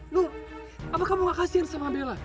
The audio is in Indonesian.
nur apa kamu gak kasian sama bella